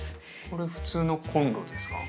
これ普通のコンロですか？